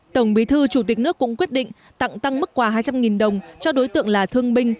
tổng bí thư chủ tịch nước cũng quyết định tặng tăng mức quà hai trăm linh đồng cho đối tượng là thương binh